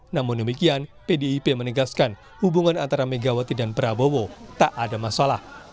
namun demikian pdip menegaskan hubungan antara megawati dan prabowo tak ada masalah